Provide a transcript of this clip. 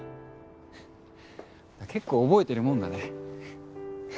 結構覚えてるもんだね。